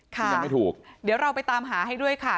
คือยังไม่ถูกเดี๋ยวเราไปตามหาให้ด้วยค่ะ